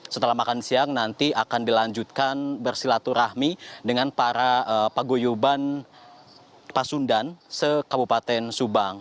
setelah makan siang nanti akan dilanjutkan bersilaturahmi dengan para pagoyoban pasundan sekabupaten subang